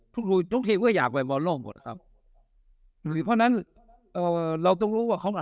ทุกทุกทีมก็อยากไปบอลโลกหมดครับหรือเพราะฉะนั้นเอ่อเราต้องรู้ว่าของเรา